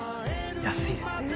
安いですね。